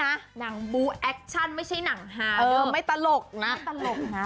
นางบูห์แอคชั่นครับไม่ใช่หนังฮา